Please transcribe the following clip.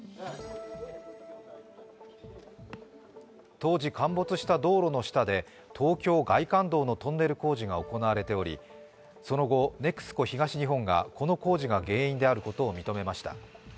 当時、陥没した道路の下で東京外環道のトンネル工事が行われておりその後、ＮＥＸＣＯ東日本がこの工事が原因であることを認めました。